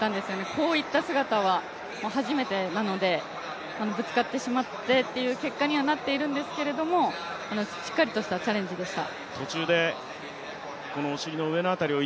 こういった姿は初めてなのでぶつかってしまってっていう結果にはなっているんですけれどもしっかりとしたチャレンジでした。